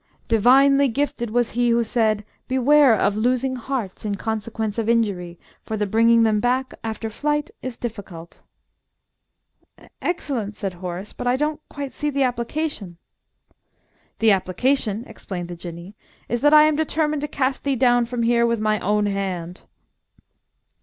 "Divinely gifted was he who said: 'Beware of losing hearts in consequence of injury, for the bringing them back after flight is difficult.'" "Excellent!" said Horace. "But I don't quite see the application." "The application," explained the Jinnee, "is that I am determined to cast thee down from here with my own hand!"